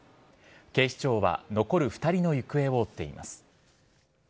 警視庁は、残る２人の行方を追っています。